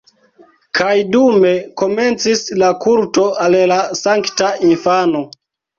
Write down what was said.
Kaj dume komencis la kulto al la sankta infano.